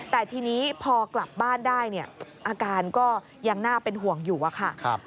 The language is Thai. แต่ทีนี้พอกลับบ้านได้เนี่ยอาการก็ยังน่าเป็นห่วงอยู่อะค่ะ